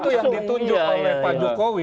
itu yang ditunjuk oleh pak jokowi